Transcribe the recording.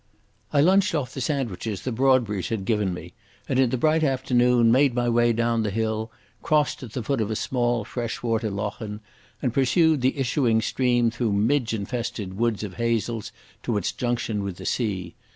I lunched off the sandwiches the Broadburys had given me, and in the bright afternoon made my way down the hill, crossed at the foot of a small fresh water lochan, and pursued the issuing stream through midge infested woods of hazels to its junction with the sea.